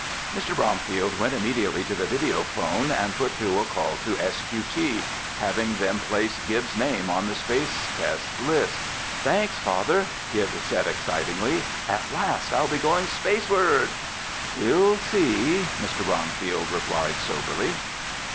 Mr. Bromfield went immediately to the video phone and put through a call to S.Q.T., having them place Gib's name on the space test list. "Thanks, Father!" Gib said excitedly. "At last I'll be going spaceward!" "We'll see," Mr. Bromfield replied soberly.